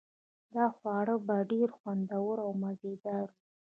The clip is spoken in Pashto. دا خواړه به ډیر خوندور او مزه دار وي